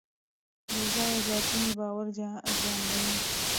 بېځایه زیاتونې باور زیانمنوي.